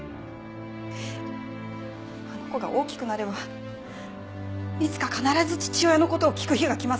あの子が大きくなればいつか必ず父親の事を聞く日が来ます。